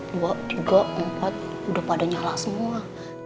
dua tiga empat udah pada nyala semua